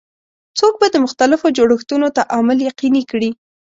څوک به د مختلفو جوړښتونو تعامل یقیني کړي؟